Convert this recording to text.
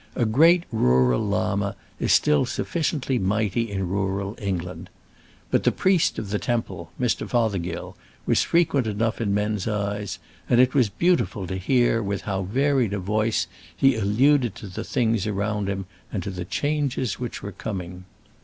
A great rural Llama is still sufficiently mighty in rural England. But the priest of the temple, Mr. Fothergill, was frequent enough in men's eyes, and it was beautiful to hear with how varied a voice he alluded to the things around him and to the changes which were coming.